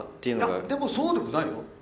いやでもそうでもないよ。